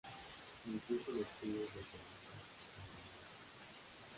Incluso los chinos de Kelantan lo elaboran.